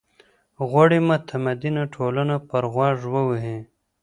غواړي متدینه ټولنه پر غوږ ووهي.